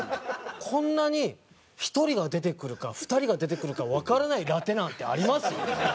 こんなに１人が出てくるか２人が出てくるかわからないラテ欄ってあります？